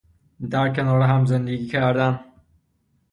در کنار هم زندگی کردن